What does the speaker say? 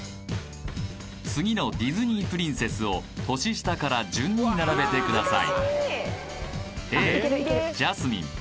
次のディズニープリンセスを年下から順に並べてください